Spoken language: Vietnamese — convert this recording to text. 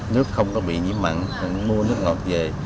nước không có bị nhiễm mặn mua nước ngọt về